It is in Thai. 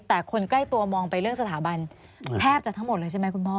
แต่คนใกล้ตัวมองไปเรื่องสถาบันแทบจะทั้งหมดเลยใช่ไหมคุณพ่อ